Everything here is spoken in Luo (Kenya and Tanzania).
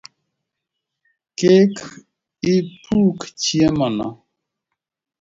Kik ipuk chiemo no